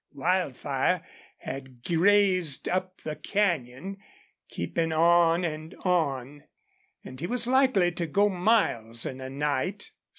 Wildfire had grazed up the canyon, keeping on and on, and he was likely to go miles in a night.